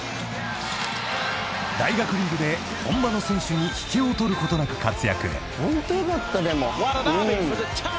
［大学リーグで本場の選手に引けを取ることなく活躍］